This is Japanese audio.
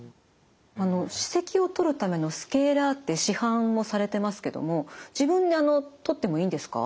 歯石を取るためのスケーラーって市販もされてますけども自分で取ってもいいんですか？